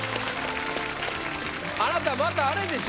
あなたまたあれでしょ？